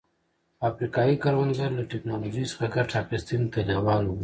افریقايي کروندګر له ټکنالوژۍ څخه ګټې اخیستنې ته لېواله وو.